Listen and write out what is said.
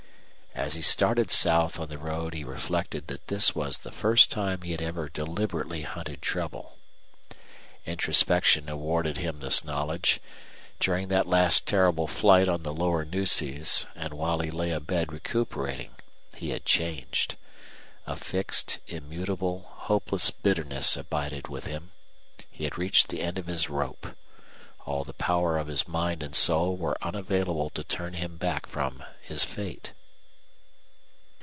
As he started south on the road he reflected that this was the first time he had ever deliberately hunted trouble. Introspection awarded him this knowledge; during that last terrible flight on the lower Nueces and while he lay abed recuperating he had changed. A fixed, immutable, hopeless bitterness abided with him. He had reached the end of his rope. All the power of his mind and soul were unavailable to turn him back from his fate.